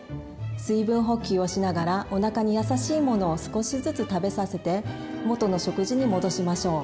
水分補給をしながらおなかにやさしいものを少しずつ食べさせて元の食事に戻しましょう。